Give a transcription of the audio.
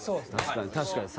確かに。